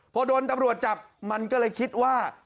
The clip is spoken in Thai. พอโดนตำรวจจับมันก็เลยคิดว่า